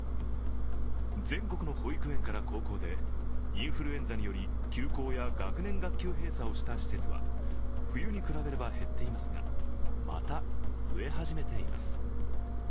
全国の保育園から高校でインフルエンザにより休校や学年学級閉鎖をした施設は冬に比べれば減っていますがまた増え始めています。